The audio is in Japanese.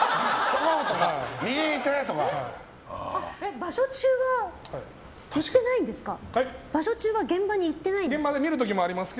場所中は現場に行ってないんですか？